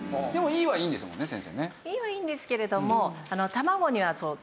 いいはいいんですけれども。